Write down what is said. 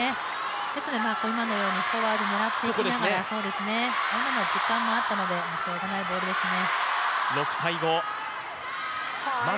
ですので今のようにフォアで狙っていきながら今のは時間もあったのでしょうがないボールですね。